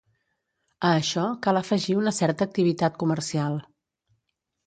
A això cal afegir una certa activitat comercial.